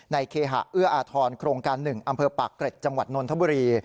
เคหะเอื้ออาทรโครงการ๑อำเภอปากเกร็ดจังหวัดนนทบุรี